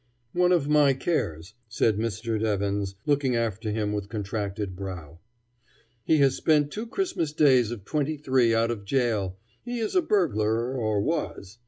"One of my cares," said Mr. Devins, looking after him with contracted brow. "He has spent two Christmas days of twenty three out of jail. He is a burglar, or was.